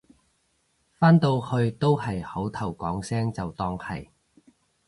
返到去都係口頭講聲就當係